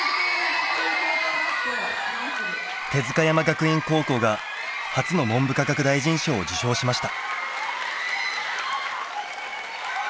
帝塚山学院高校が初の文部科学大臣賞を受賞しました。